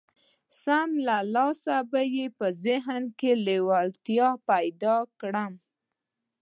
سم له لاسه به يې په ذهن کې لېوالتيا پيدا کړم.